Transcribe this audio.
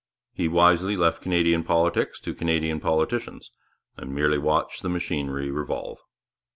He wisely left Canadian politics to Canadian politicians, and merely watched the machinery revolve.